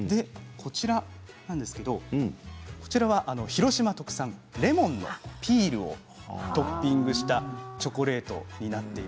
こちらなんですけれど広島特産のレモンのピールをトッピングしたチョコレートです。